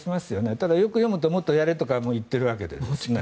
ただ、よく読むともっとやれとかも言ってるわけですね。